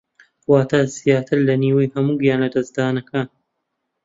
واتە زیاتر لە نیوەی هەموو گیانلەدەستدانەکان